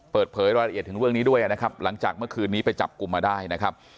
เปิดเผยรายละเอียดถึงเรื่องนี้ด้วยนะครับหลังจากเมื่อคืนนี้ไปจับกลุ่มมาได้นะครับ